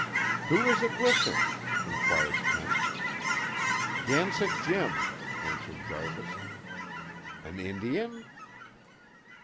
"Who is it with him?" inquired Kent. "Gansett Jim," answered Jarvis. "An Indian?"